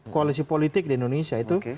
koalisi politik di indonesia itu